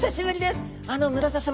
あの村田様